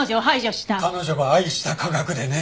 彼女が愛した科学でね。